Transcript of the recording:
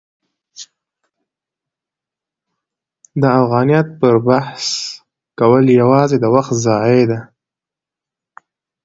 د افغانیت پر بحث کول یوازې د وخت ضایع ده.